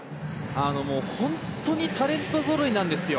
本当にタレントぞろいなんですよ。